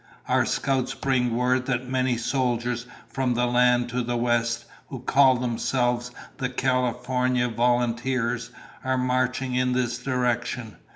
"Our scouts bring word that many soldiers from the land to the west, who call themselves the California Volunteers, are marching in this direction.